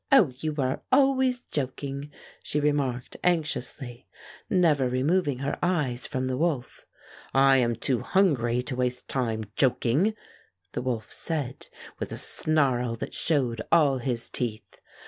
"Oh, you are always joking!" she re marked anxiously, never removing her eyes from the wolf. "I am too hungry to waste time joking," the wolf said with a snarl that showed all his teeth.